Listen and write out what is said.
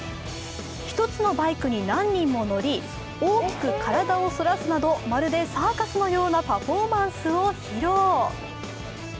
１つのバイクに何人も乗り大きく体を反らすなどまるでサーカスのようなパフォーマンスを披露。